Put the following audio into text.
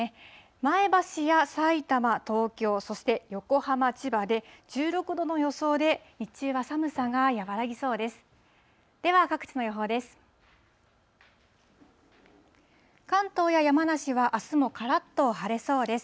前橋やさいたま、東京、そして横浜、千葉で１６度の予想で、日中は寒さが和らぎそうです。